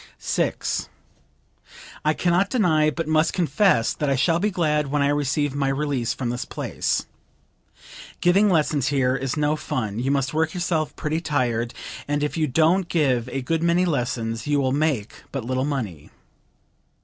6. "I can not deny, but must confess that I shall be glad when I receive my release from this place. Giving lessons here is no fun; you must work yourself pretty tired, and if you don't give a good many lessons you will make but little money.